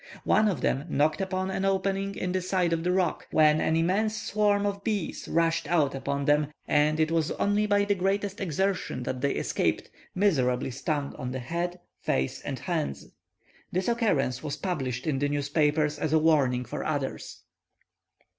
One of them knocked upon an opening in the side of the rock, when an immense swarm of bees rushed out upon them, and it was only by the greatest exertion that they escaped, miserably stung on the head, face, and hands. This occurrence was published in the newspapers as a warning for others.